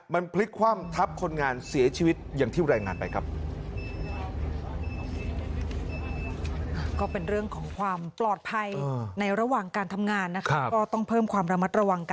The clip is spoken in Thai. มันพลิกคว่ำทับคนงานเสียชีวิตอย่างที่รายงานไปครับ